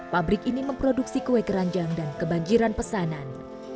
pabrik ini memproduksi kue keranjang dan kebanjiran pesanan